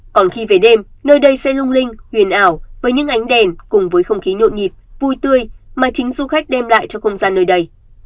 còn khi về đêm nơi đây sẽ lung linh huyền ảo với những ánh đèn cùng với không khí nhộn nhịp vui tươi mà chính du khách đem lại cho không gian nơi đây